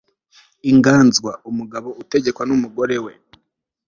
inganzwa umugabo utegekwa n'umugore we